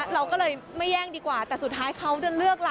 เราก็เลยไม่แย่งดีกว่าแต่สุดท้ายเขาจะเลือกล่ะ